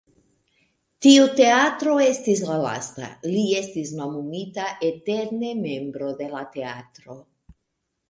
Tiu teatro estis lia lasta, li estis nomumita "eterne membro de la teatro".